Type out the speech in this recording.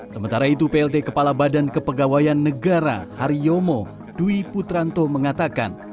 sementara itu plt kepala badan kepegawaian negara hari yomo dwi putranto mengatakan